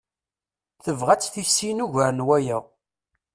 Tebɣa ad t-tissin ugar n waya.